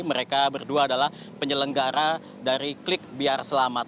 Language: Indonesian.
mereka berdua adalah penyelenggara dari klik biar selamat